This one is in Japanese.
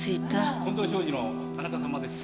近藤商事の田中様です。